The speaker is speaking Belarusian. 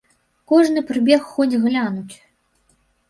Кожны прыбег хоць глянуць.